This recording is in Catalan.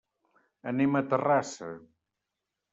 Anem a Terrassa.